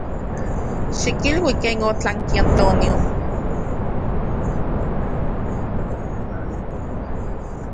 Xikilui ken otlanki Antonio.